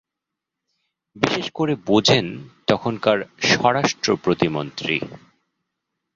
বিশেষ করে বোঝেন তখনকার স্বরাষ্ট্র প্রতিমন্ত্রী।